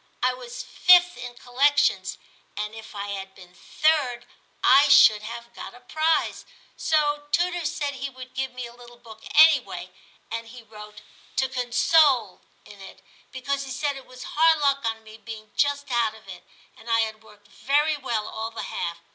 I was 5th in collec tions, and if I had been 3d I should have got a prize ; so tutor said he would give me a little book anyway, and he wrote to con sole " in it, because he said it was hard luck on me being just out of it, and I had worked very well all the half.